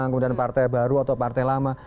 kemudian partai baru atau partai lama